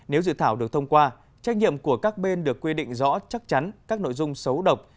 nếu dự thảo được thông qua trách nhiệm của các bên được quy định rõ chắc chắn các nội dung xấu độc